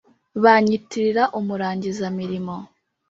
banyitirira umurangiza-mirimo.